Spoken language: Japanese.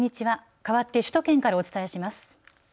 かわって首都圏からお伝えします。